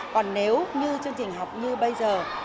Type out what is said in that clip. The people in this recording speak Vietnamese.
còn nếu như chương trình học như bây giờ